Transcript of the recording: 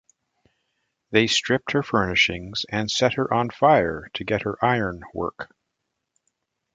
They stript her furnishings and set her on fire to get her iron worke.